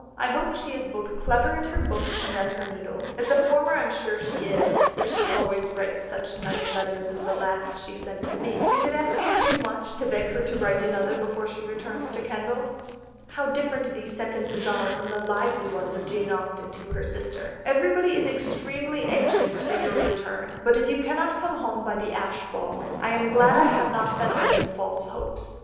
I hope she is clever both at her books and at her needle ... at the former I am sure she is, if she always writes such nice letters as the last she sent to me. Is it asking too much, to beg her to write another before she returns to Kendal?" How different these sentences are from the lively ones of Jane Austen to her sister: "Everybody is extremely anxious for your return, but as you cannot come home by the Ashe ball, I am glad I have not fed them with false hopes.